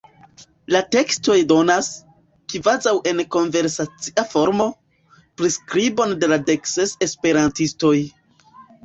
La tekstoj donas, kvazaŭ en konversacia formo, priskribon de la dek ses esperantistoj.